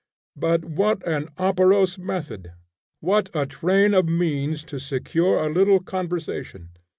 But what an operose method! What a train of means to secure a little conversation!